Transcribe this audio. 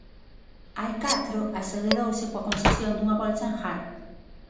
Hai catro acelerouse coa concesión dunha bolsa en Harvard.